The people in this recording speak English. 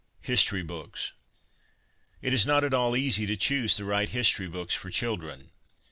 History Books. It is not at all easy to choose the right history books for children.